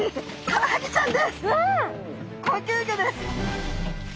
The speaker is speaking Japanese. カワハギちゃん。